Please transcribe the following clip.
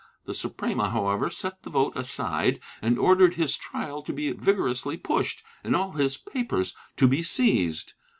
The Suprema, however, set the vote aside and ordered his trial to be vigorously pushed and all his papers to be seized.